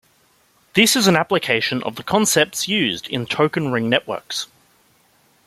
This is an application of the concepts used in token ring networks.